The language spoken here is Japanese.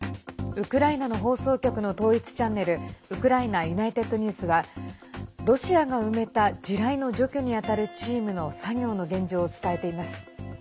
ウクライナの放送局の統一チャンネルウクライナＵｎｉｔｅｄＮｅｗｓはロシアが埋めた地雷の除去に当たるチームの作業の現状を伝えています。